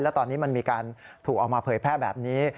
แล้วตอนนี้มันมีการถูกเอามาเผยแพร่แบบนี้